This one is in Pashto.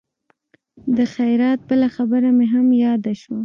د خیرات بله خبره مې هم یاده شوه.